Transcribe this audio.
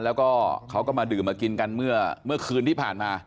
แล้วก็เขาก็มาดื่มมากินกันเมื่อคืนที่ผ่านมา